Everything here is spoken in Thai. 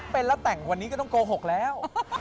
เป็นแล้วแต่งวันนี้ก็ต้องโกหกแล้ว